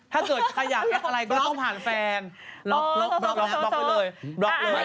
ถ้าเกิดใครอยากแอดอะไรก็ต้องผ่านแฟนบล็อกไปเลย